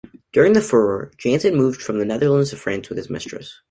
During the furor, Jansen moved from the Netherlands to France with his mistress.